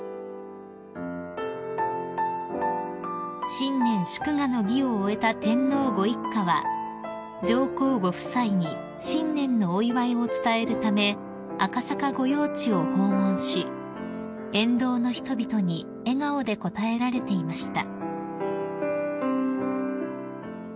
［新年祝賀の儀を終えた天皇ご一家は上皇ご夫妻に新年のお祝いを伝えるため赤坂御用地を訪問し沿道の人々に笑顔で応えられていました］